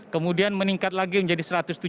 kemudian meningkat lagi menjadi satu ratus tujuh puluh